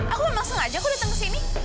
aku memang sengaja aku datang kesini